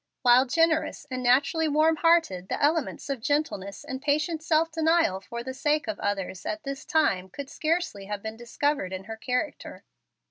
While generous and naturally warm hearted, the elements of gentleness and patient self denial for the sake of others at this time could scarcely have been discovered in her character.